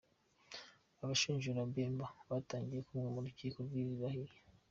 Abashinjura Bemba batangiye kumvwa n’Urukiko rw’i La Haye